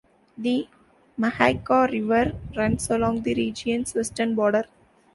The Mahaica River runs along the region's western border.